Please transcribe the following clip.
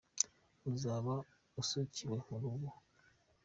Uzaba usukiwe mu rubu.